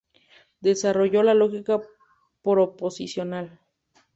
Desarrolló la lógica proposicional.